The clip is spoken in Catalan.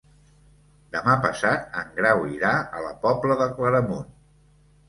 Demà passat en Grau irà a la Pobla de Claramunt.